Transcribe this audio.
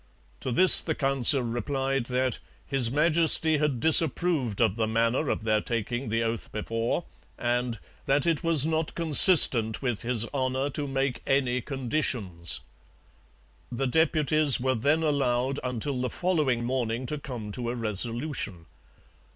To this the Council replied that 'His Majesty had disapproved of the manner of their taking the oath before' and 'that it was not consistent with his honour to make any conditions.' The deputies were then allowed until the following morning to come to a resolution.